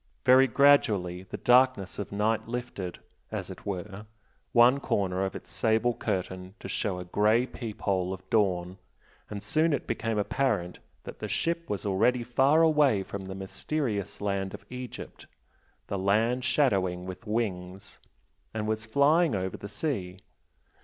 Very gradually the darkness of night lifted, as it were, one corner of its sable curtain to show a grey peep hole of dawn, and soon it became apparent that the ship was already far away from the mysterious land of Egypt "The land shadowing with wings" and was flying over the sea.